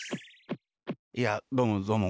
やあどうもどうも。